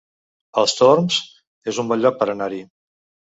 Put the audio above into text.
Els Torms es un bon lloc per anar-hi